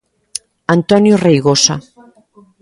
Antonio Reigosa.